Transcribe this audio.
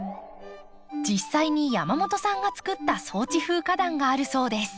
実際に山本さんが作った草地風花壇があるそうです。